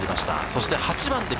そして８番で、